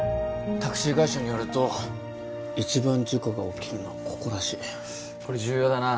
タクシー会社によると一番事故が起きるのはここらしいこれ重要だな